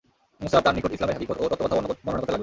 মুসআব তার নিকট ইসলামের হাকীকত ও তত্ত্বকথা বর্ণনা করতে লাগলেন।